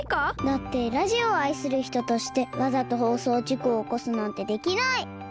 だってラジオをあいするひととしてわざとほうそうじこをおこすなんてできない！